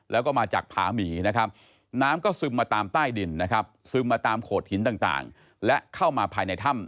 แล้วก็มาจากผาหมีนะครับน้ำก็ซึมมาตามใต้ดินนะครับซึมมาตามโขดหินต่างและเข้ามาภายในถ้ำ